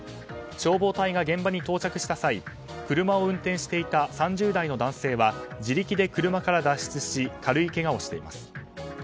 消防隊が現場に到着した際車を運転していた３０代の男性は自力で車から脱出し軽いけがをしています。